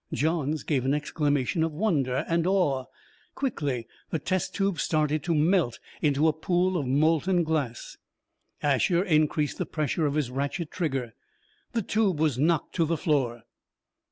Johns gave an exclamation of wonder and awe. Quickly, the test tube started to melt into a pool of molten glass. Asher increased the pressure of his ratchet trigger. The tube was knocked to the floor.